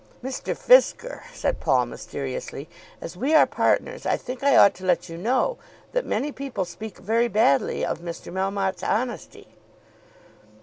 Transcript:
"Mr. Fisker," said Paul mysteriously, "as we are partners, I think I ought to let you know that many people speak very badly of Mr. Melmotte's honesty."